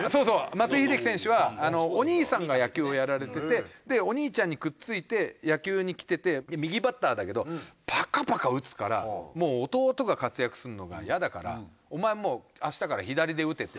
松井秀喜選手はお兄さんが野球をやられててお兄ちゃんにくっついて野球に来てて右バッターだけどパカパカ打つからもう弟が活躍するのがイヤだから「お前もう明日から左で打て」って。